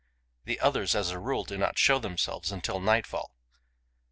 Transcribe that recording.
The others, as a rule, do not show themselves until nightfall.